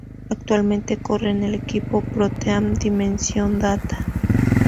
Actualmente corre en el equipo ProTeam Dimension Data.